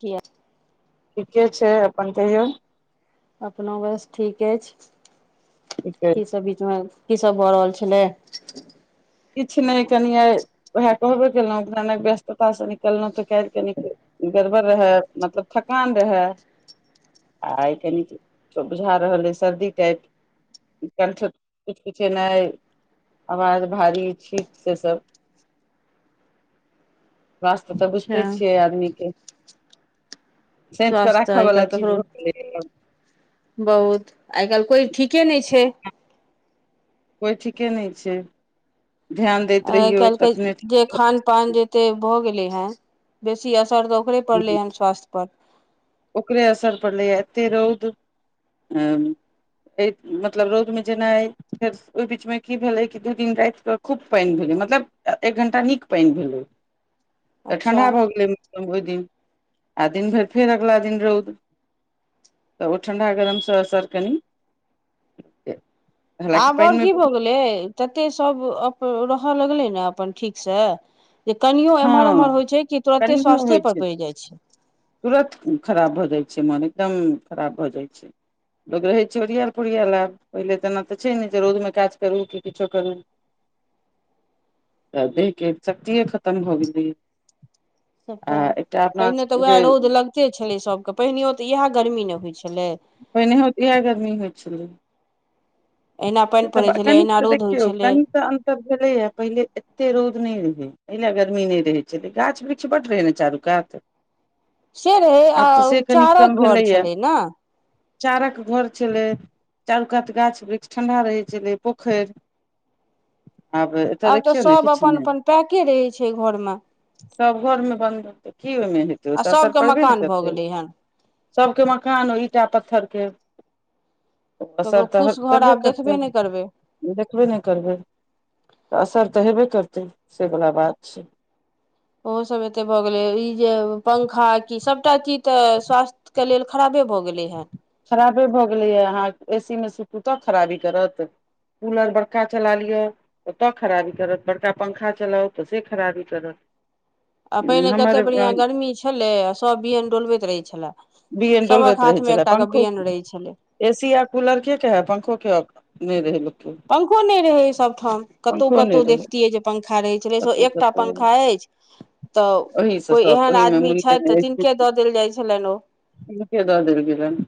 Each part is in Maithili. किआ ठीके छै अपन कहियौ। अपनो बस ठीक [unintelligible] [unintelligible] ठीके की छै सब भऽ रहल छलै। किछु नहि कनि आइ उएह कहबे केलहुँ अपना नहि व्यस्ततासँ निकललहुँ तऽ काल्हि क निक गड़बड़ रहै मतलब थकान रहै। आ कन बुझा रहल अइ सर्दी टाइप कंठ किछु किछे नय आवाज भारी छीक से सब स्वस्थ तऽ तऽ अच्छा बुझिते छियै आदमी के सैंत कऽ स्वास्थ त राखऽ अइ वाला कल चीज केकरो भऽ गेलै बहुत आइ काल्हि कोइ ठीके नहि छै कोइ ठीके नहि छै ध्यान दैत आइ रहियौ काल्हि के तखने जे ठीक खान पान रहत। जते भऽ गेलै हेँ बेसी असर तऽ ओकरे पड़लै हन स्वास्थ्य पर ओकरे असर पड़लै या एते रौद अं ए-मतलब रौदमे जेना फेर ओहि बीचमे की भेले की दू दिन रातिक खूब पानि भेलै मतलब एक घंटा नीक पानि भेलै [inaudible] तऽ अच्छा ठण्ढा भऽ गेलै अ-ओहि दिन आ दिन भरि फेर अगिला दिन रौद तऽ ओ ठण्डा गरमसँ असर कनि हालाँकि आब आओर पानि मे की भऽ गेलै ततेक सभ अप-रहऽ लगलै नऽ अपन ठीकसँ जे कनियो एम्हर हँ ओम्हर होइ छै कि तुरते कनियो स्वास्थे होइ पर छै पड़ि जाइ छै तुरत खराब भऽ जाइ छै मोन एकदम खराब भऽ जाइ छै लोक रहै छै ओरियाल पोरियाल आब पहिले तऽ एना तऽ छै ने जे रौदमे काज करू कि किछो करू [inaudible] आदमीके शक्तिए खतम भऽ गेलै या सभटा पहिने तऽ उएह रौद लगिते छलै सभके पहिनेयो तऽ इहाए गर्मी ने होइ छलै पहिनेहो तऽ इहाए गरमी होइ छलै अहिना पानि पड़ै तऽ छलै कनिक अहिना तऽ रौद होइ देखियौ छलै कनि तऽ अन- सब भेलै या पहिले एते रौद नहि रहै पहिले गर्मी नहि रहै छलै गाछ वृक्ष बड्ड रहै ने चारू- -कात से रहै आब तऽ आ-उ से कनि कम चारक घर भेलैया छलै न चारक घर छलै चारू कात गाछ वृक्ष ठंडा रहै छलै पोखरि आबे आब तऽ सब अपन अपन पैके रहहै छै घरमे सब घरमे बन्द रहतै की ओहिमे हेतै ओ आ तऽ असर सभके पड़बे नै मकान भऽ करतै गेलै हन सबके मकान ओ ईटा पत्थरके ककरो असर फूस तहन घर करबे आब देखबे करतै नहि करबै देखबे नहि करबै तऽ असर तऽ हेबै करतै सेवला बात छै ओहोसभ एतेक भऽ गेलै ई जे पंखा की सभटा चीज तऽ स्वास्थ्य के लेल खराबे भऽ गेलै हेँ खराबे भऽ गेलैया अहाँ ए- सीमे सुतू तऽ खराबी करत कूलर बड़का चला लियऽ ओतऽ खराबी करत बड़का पंखा चलाउ तऽसे खराबी करत आ पहिने हमर कतेक बढ़िययाँ गर्मी छलै आ सब बियैन डोलबैत रहै छलाए बियैन डोलबैत रहै छलाए पंखो रहै छलै ए सी आ कूलर के कहाए पंखोके नै रहै लोकके पंखो नहि रहै सबठाम कतौ नहि कतौ रहै देखतियै जे पंखा रहै छलै से कतौ एकटा कतौ पंखा अछि तऽ ओहि से कोई सब एहन ओहि मे आदमी मुड़ी छथि तऽ तिनके दऽ देल जाइ छलनि ओ हुनकें दऽ देल गेलनि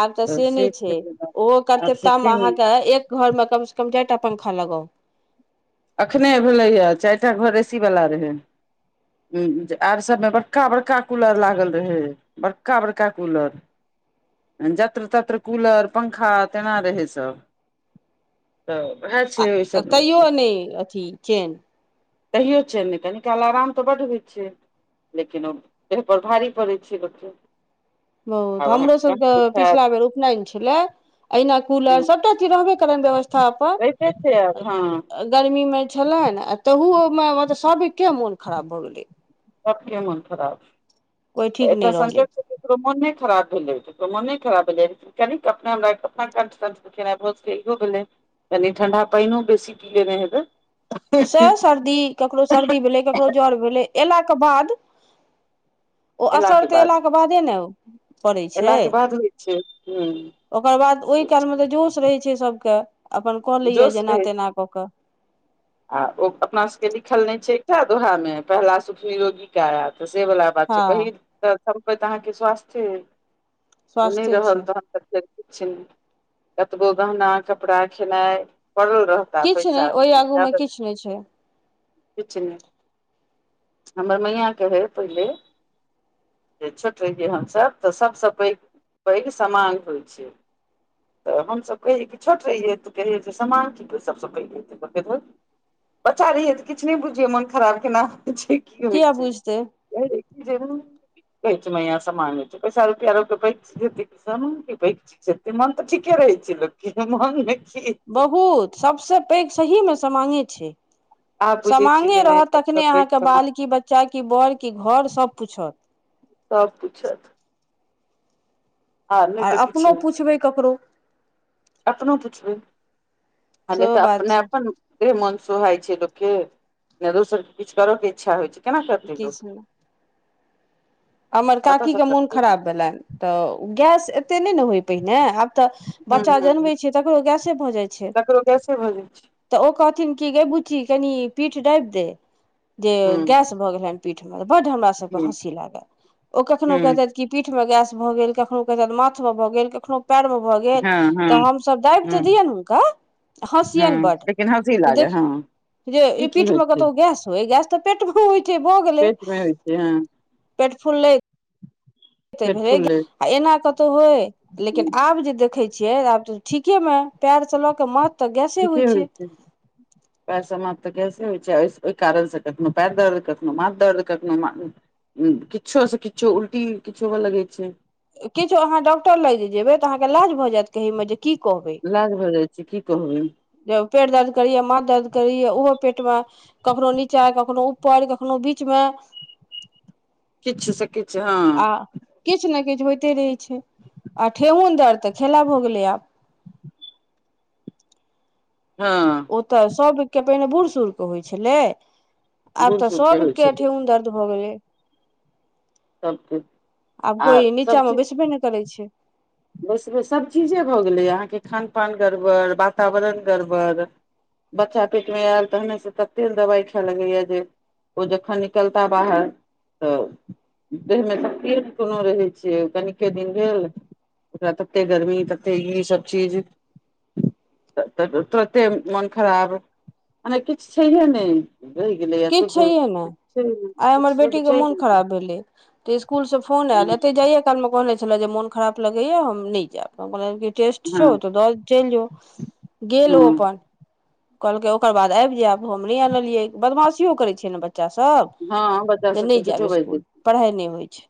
आब तऽ से नहि छै ओहो आब से छै कत्तेठाम अहाँके एक घरमे कम सऽ कम चारिटा पंखा लगाउ अखने भेलै या चारिटा घर एसी वला रहै हूँ आओर सभमे बड़का बड़का कूलर लागल रहै बड़का बड़का कूलर जत्र तत्र कूलर पंखा तेना रहै सब तऽ हेज आ तैयो नहि अथी चेन तहियो चेन नहि कनी काल आराम तऽ बड होइ छै। लेकिन ओ देहपर भारी पड़ैत छै लोकके ओ हमरो अहाँके सबके कनि दुखायत पिछला बेर उपनयन छलै अहिना कूलर सभटा चीज रहबे करनि व्यवस्था रहिते छै आब हँ अपन गरमीमे छेलनि आ तहू ओहिमे मतलब सब एके मे मोन खराब भऽ गेलै सबके मन कोइ खराब ठीक नहि एतऽ संजोग रहलै ककरो मोन नय खराब भेलै ककरो मोन नय खराब भेलै कनि अपना हमरा अपना कंठ तंठ दुखेनाइ बहुत इहो भेलै कनि ठंढ़ा पाइनो बेसी पी लेने हेबैऽ सेहो सर्दी ककरो सर्दी भेलै ककरो जर भेलै अयला के बाद ओ एला के असर तऽ बाद एला के बादे ने ओ एला के बाद होइ छै हु ओकर बाद ओय काल मे तऽ जोश रहै छै सभके अपन कऽ लैये जोश जेना रहै तेना कऽ कऽ आ ओ अपना सबके लिखल नै छै एकटा दोहा मे पहिला सुखी निरोगी काया तऽ से वला बात छै हँ पहिल तऽ सम्पत्ति अहाॅंके स्वास्थे ऐ ओ नय स्वास्थे छै रहल तहन फेर किछ नय कतबो गहना कपड़ा खेनाइ पड़ल रहत किछ नय ओई आगू मे किछ नय छै किछ नय हमर मैयाॅं कहय पहिले जे छोट रहियै हमसभ तऽ सभसँ पैघ पैघ समांग होय छै तऽ हमसभ कहियै कि छोट रहियै त कहियै जे सामांग की सभ स पैघ बच्चा रहियै तऽ किछ नय बुझियै मोन खराब केना होय छै की होय किया छै बुझतै हं यै जरुर पैंच मैया से मांगै छै पैसा रुपैया रहतै पैंच देतै कि सब मंगतै से तऽ मोन तऽ ठीके रहै छै लोक के मोन मे की हेतै बहुत सभसँ पैघ सहीमे समांगे छै आब बुझै छियै समांगे जे रहत नहि सब तखने पैघ अहाँके सामान बाल की बच्चा कि बड़ की घर सभ पूछत सब किछ हैत नहि आय तऽ अपनो किछु नहि पुछबैय ककरो। अपनो पुछबैय आ नैय सेहो त बात अपनाय छै अपन। इे मन सोहाय छै लोकके ने दोसर के किछ करऽ के इच्छा होइ छैइय। केना सकतै लोक किछु नहि हमर कतऽसँ काकीके मोन करतै खराब भेलनि तऽ गैस एतेक नहि ने होय पहिने आब तऽ हूँ बच्चा हूँ जनबै छैय तकरो गैसे भऽ जाइ छै ककरो गैसे भऽ जाइ छै तऽ ओ कहथिन कि गै बूची कनि पीठ दाबि दे जे हूँ गैस भऽ गेलेन पीठ में बड हमरा सबके हूँ हँसी लागे। कखनो हूँ कहैछेत कि पीठ में गैस भऽ गेल कखनो कहछेत माथ में भऽ गेल कखनो पैर मे भऽ गेल। गेल हँ हँ तऽ हमस दाब तऽ हूँ दियैन हुनका। हँसियन हँ बड लेकिन हँसी लागे देख हँ जे ई की पीठ होइ में छै कतहु गैस हो गैस। तऽ पेट भू होइत छै भऽ गेलैय। पेट [unintelligible] पेट फुल लैय। तऽ पेट भैग फुलले आ एना कतहु होय लेकिन आब जे देखै छियै आब तऽ। ठीके मे पैर सऽ लऽ के माथ। ठीके होइ छै पैरसॅं माथ तऽ गैसें होइ छै ओहि कारणसँ कखनो पैर दर्द कखनो माथ दर्द कखनो मा- हूँ किछो सँ किछो उल्टी किछ होबऽ लगै छै किछो अहाँ डॉक्टर लंग जेबै तऽ अहाँके लाज भऽ जाएत कहैयमे जे की कहबै लाज भऽ जाइ छै की कहबैन यौ उ-पेट दर्द करै या माथ दर्द करै या ओहो पेटमे कखनो नीचा कखनो ऊपर कखनो बीचमे किछ सँ किछ हाॅं किछ न किछ होइतै रहै छै आ ठेहुन दर्द तऽ खेला भऽ गेलै आब हाॅं ओतऽ सभके पहिने बूढ़ सूरऽके होइ छलै आब बूढ़ तऽ सूढ़ के होइ सबके छलै ठेहुन दर्द भऽ गेलै सबके आब आ कोइ सब नीचामे चीज बैसबे नहि करै छै बस बस सभचीजे भऽ गेलै अहाँके खान पान गड़बड़ वातावरण गड़बड़ बच्चा पेटमे आएल तहने सऽ तते दवाई खाऽ लगैया जे ओ जखन निकलता बाहर तऽ देहमे तऽ तेज रहै छै कनिके दिन भेल ओकरा तते गर्मी तते ई सब चीज त-तुरते मन खराब मने किछ छैहै नै भेलैया किछु सुध छैहे ने आइ हमर बेटीके मोन खराब भेलै ते स्कूल से फोन आएल नहि एते जाइयै कालमे कहने छलाए जे मन खराब लगैए हम नै जाएब हम कहलीयै जे टेस्ट छौ हँ तऽ दऽ चलि जो गेल ओ हँ अपन कहलकै ओकर बाद आबि जाएब हम नहि आनलियै बदमासियो करै छै ने बच्चासब हँ बच्चा जे सब नहि तऽ जाएब झूठो बाजि स्कूल दै पढ़ाइ नहि होइ छै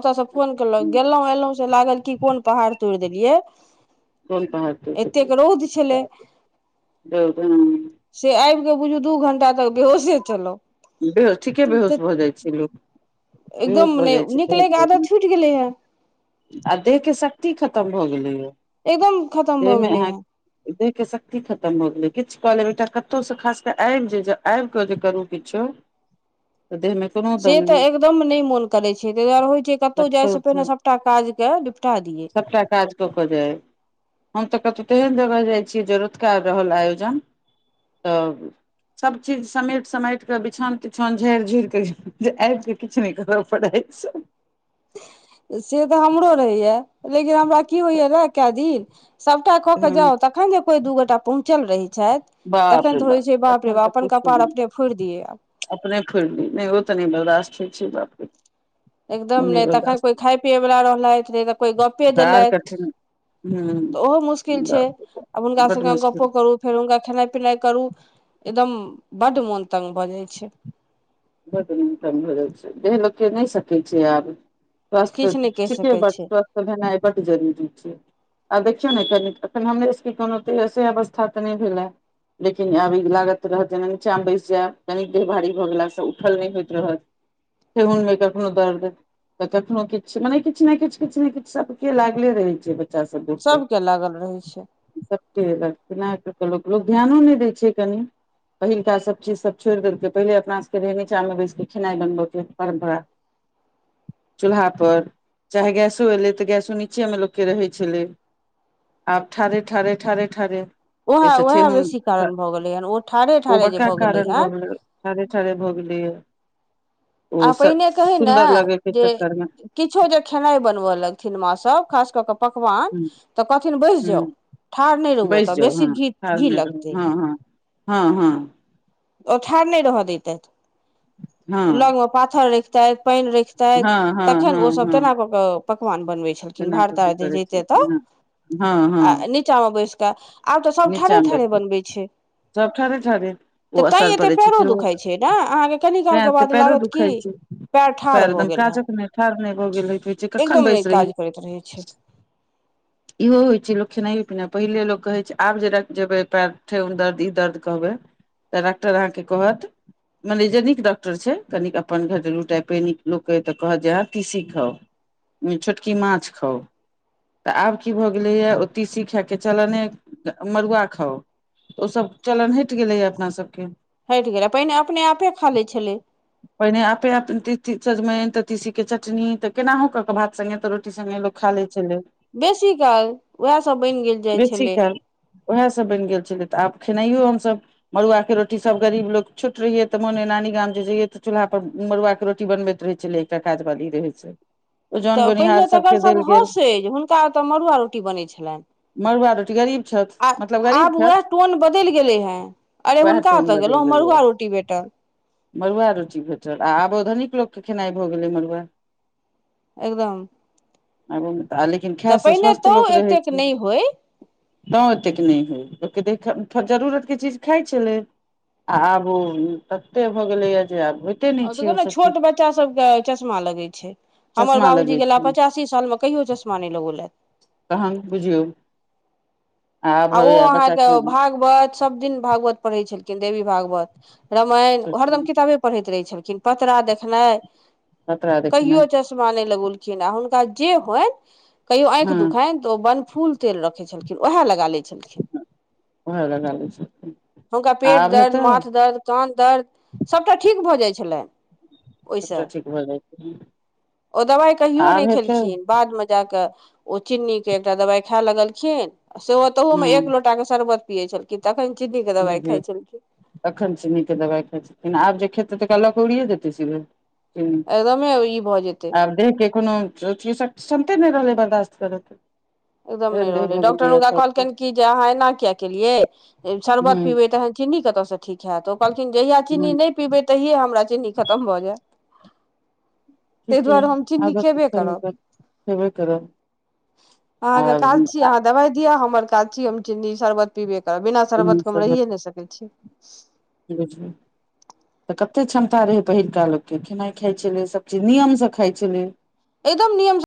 ओतऽ सब फोन केलक छै गेलहूँ एलहूँसे लागल की कोन पहाड़ तोड़ि देलियै कोन पहाड़ तोड़ एतेक रौद छलै देलियै। [unintelligible] से आबि कऽ बुझू दू घंटा तक बेहोशे छलौं इ- हेए ठीके बेहोश भऽ जाइ छैं लोक बेहोस एकदम भऽ नहि तेहन निकलैके कऽ आदत नै छुटि गेलै हे आ देहके शक्ति खत्म भऽ गेलैया एकदम खत्म भऽ गेलै हँ देहके शक्ति खत्म भऽ गेलै किछु कऽ लेब एकटा कतहु सऽ खास कऽ आबि जा-आबि कऽ जे करू किछो तऽ देहमे से तऽ एकदम नहि मोन करै छै ताहि दुआरे होइ छै कतहु जाइ सऽ पहिने सभटा काजके निपटा दियै सबटा काज कऽ कऽ जाइ हम तऽ कतहु तेहन जगह जाइ छियै जे रातुका रहल आयोजन तऽ सब चीज समेट समाटि तऽ बिछौन तिछौन झार झुरी कऽ जे आबि कऽ किछु नहि करऽ पड़ैए रातिसॅं से तऽ हमरो रहैया लेकिन हमरा की होइया कए दिन सभटा कऽ-कऽ हँ जाउ तखन जे कोइ दू गोटा पहुँचल रहै छथि बाप रे तखन तऽ होइ छै बाप रे तखन बाप तऽ अपन पूछू कपार नहि अपने फोड़ि दियै आब अपने फोरिली नहि ओ तऽ नहि बर्दाश्त होइ छै बाप रे ओ एकदम नहि तखन बर्दाश्त कोइ खाइ पीयैवला रहलथि नहि तऽ कोइ गप्पे बड़ देलथि कठिन हूं तऽ बाप ओहो मुश्किल छै रे बाप, आब हुनका बड संगे मुश्किल गप्पो करू फेर हुनका खेनाइ पिनाइ करू एकदम बड्ड मोन तंग भऽ जाय छै। बड मन तंग भऽ जायछै। देहि लोक के नय सकै छै आब। स्वास्थ्य किछु नहि कहि ठीके सकैत ब छै स्वास्थ्य भेनाए बड जरूरी छै। आब देखियौ ने कनि एखन हमरे सभके कोनोसे अवस्था तऽ नय भेलैय। लेकिन अभी लागत रहत जेना नीचां मे बैसि जाय कनि देहभारी भऽ गेला सऽ। ऊठल नय होइत रहत ठेंघुन मे कखनो दर्द तऽ कखनो किछु मने किछु ने किछु किछु ने किछु सबके लागले रहे छै। अच्छासँ दुःखत। सभके लागल रहै छै सबके कैना क के लोक लोक ध्यानो नय दै छै कनि। पहिलका सब चीज सब छोड़ि देलकै पहिले अपना सबके रहेय जे निचा मे बैस कऽ खेनाय बनबे [unintelligible] [unintelligible] चूल्हा पर चाहे गैसो एलै तऽ गैसो नीचे मे लोक केँ रहैत छलै। आब ठरे ठरे ठरे ठरे उएह एहिस उएह ठेहुन बेसी कारण भऽ गेलै हन ओ ठाढ़े ओ ठाढ़े जे बड़का भऽ गेलै कारण भऽ हन गेलै। ठारे ठारे भऽ गेलेय ओ आ स पहिने कहै ने सुन्दर लगे के जे चक्कर मे किछो जे खेनाइ बनबय लगथिन माँसभ खास कऽ कऽ पकवान ह तऽ कहथिन बैसि जाउ ह ठाढ़ नय रहु आ बैस एतऽ जाउ बेसी हँ घी ठाढ़ घी नहि रहू लगतै। हँ हँ हँ ओ ठाढ़ नय रहऽ दैतैथ लऽग हँ मे पाथर रैख तै पानि रखते हँ हँ हँ तखन हँ ओ सब हँ तना कऽ के पकवान बनबे छै। छलखिन एना कऽ कऽ भरताय जे जे करै जेते तऽ छलखिन हँ हँ हँ आ नीचा मे बैसि कऽ आब तऽ सभ ठढ़े नीचामे ठाढ़ बैठबै बनबै छै। सब ठड़े ठढ़े तऽ तैं एतेक पेड़ो दुखाइ छै ने अहाँके कनि कालके तें ते बात पैरो लागत की दुखाइ छै पैर ठाढ़ भऽ एकदम गेलहन काजक नहि ठाढ़ नहि भऽ गेल होइत होइ छै कखन एकदम बैस नय रही काज करैत रहै छै। [unintelligible] इहो होइ छै लोक खेनाइयए पिनाइ पहिले लोक कहै छै आब जेर जेबै पएर ठेंघुन दर्द ई दर्द कहबै तऽ डॉक्टर अहाँकेँ कहत मने जे निक डॉक्टर छै कनिक अपन घरेलू टाइपेनिक लोकके तऽ कहत जे अहाॅं की सीखब छोटकी माछ खाउ तऽ आब की भऽ गेलैए ओ तीसी खाके चल ने आ मड़ुआ खाउ तऽ ओसभ चलन हटि गेलैए अपनासभके हटि गेलै पहिने अपने आपे खा लैत छलै पहिने आपे अपन तीती सजमनि तऽ तीसी के चटनी ते केनाहु कऽ के भात संगे त रोटी सगे लोक खा लै छलै। बेसी काल उएहसभ बनि गेल जाइत बेसी छलै। काल उएह सभ बनि गेल छलै तऽ आब खेनाइयो हमसभ मड़ुआके के रोटी सब गरीब लोग छोट रहिये तऽ मोने नानी गाम जे जइये तऽ चूलहा पर मड़ुआ के रोटी बनेत रहै छलै। एकटा काज बाली रहै छै। ओ जौन तऽ बोनिहार पहिने तऽ अगर सबके सभ देल गेल हँसे जे हुनका ओतय मड़ुआ रोटी बनैत छलनि मड़ुआ रोटी गरीब छथि आ मतलब गरीब आब उएह छथि टोन बदलि गेलै हे अरे वएह हुनका टोन तऽ बदलि गेलहुँ गेलैए मड़ुआ रोटी भेटल मड़ुआ रोटी भेटल आ आबओ धनिक लोकके खेनाइ भऽ गेलै मड़ुआ एकदम आबऽ आ लेकिन तऽ खाय सँ पहिने स्वस्थ तो लोक रहै एतेक छै। नहि होय तँ ओतेक नय होइ लोक केतेक त जरूरत के चीज खाइत छलै आब ओ तते भ गेलेया जे आब हो आब देखोने छोट बच्चा सब के चश्मा लगे छै हमर चश्मा बाबूजी लगै के छै पचासी साल में कहियो चश्मा नय लगेलैथ तहन बुझियौ आब आ ओ होइए अहाँके बच्चाके भाग सोवाइत सब दिन भागवत पढ़ै छलखिन देवी भागवत रामायण हरदम किताबे पढ़ैत रहै छलखिन पतरा देखनाइ खतरा देखेनाइ कहो चश्मा चश्मा नय लगलखिन आ हुनका जे होएन कहियो आँख हँ दुख त ओ बन फूल तेल रखे छलखिन ओहा लगा ले छलखिन उएह लगा लै छै हुनका पेट आब दर्द हेतै माथ दर्द कान दर्द सभटा ठीक भऽ जाइ छलैन ओहसँ सभटा ठीक भऽ जाइ छै ओ दबाइ कहियो नै आब हेतै खेलखिन बाद मे जाके ओ चिन्नी के एकटा दवाई खाय लगलखिन से तहु मे हँ एक लो लैटाके शरबत पियै छलखिन तखन चीन्नी के दवाइ बुझियौ खाइ छलखिन तखन चिनी के दवाइ खाइ छथिन आब जे खेतै तऽ तेकरा लके ऊड़िए जेतै सेबे हु एकदमे ई भऽ जेतै आर देह के कोनो सब सुनते नय रहलै बर्दाश्त करे के एकदम नय रहलै डॉक्टर हुनका कहलकेन की जे अहाँ एना किया केलियै हूँ शर्बत पीबे तहन चिन्नी कत से ठीक हैत कहलखिन जहिया हूँ चीनी नय पीबै तहिए हमरा चीनी खतम भऽ जायत तैय दुआरे हम चिन्नी खेबे करब खेबे करब अहाँके काज छी अहाँ दवाइ दिअ हमर काज छी हम चिन्नी शरबत पिबे करब बिना ई शरबतके हम सब रहियए नय की सकै छी बुझू तऽ कतेक क्षमता रहै पहिलका लोकके खेनाइ खाइ छलै सबचीज नियमसँ खाइत छलै एकदम नियम स